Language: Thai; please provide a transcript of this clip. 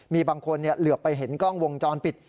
มีบางคนเหลือไปเห็นกล้องวงจรปิด